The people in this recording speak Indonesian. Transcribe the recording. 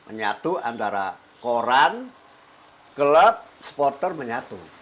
menyatu antara koran klub supporter menyatu